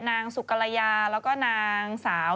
นางสุกรยาแล้วก็นางสาว